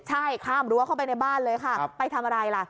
ใช่ข้ามรั้วเข้าไปในบ้านเลยค่ะไปทำอะไรล่ะ